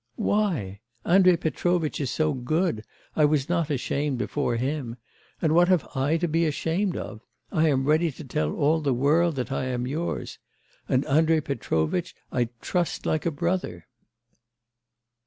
'Why? Andrei Petrovitch is so good. I was not ashamed before him. And what have I to be ashamed of? I am ready to tell all the world that I am yours.... And Andrei Petrovitch I trust like a brother.